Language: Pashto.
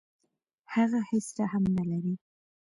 هغه هیڅ رحم نه لري.